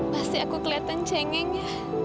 masih aku keliatan cengeng ya